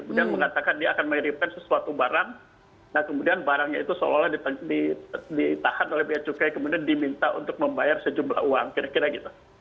dia mengatakan dia akan mengirimkan sesuatu barang nah kemudian barangnya itu seolah olah ditahan oleh biaya cukai kemudian diminta untuk membayar sejumlah uang kira kira gitu